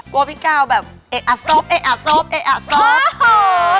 พี่กาวแบบเอ๊ะอ่ะซบเอ๊ะอะซบเอ๊ะอ่ะซบ